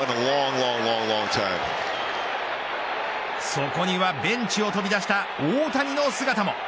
そこにはベンチを飛び出した大谷の姿も。